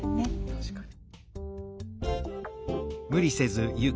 確かに。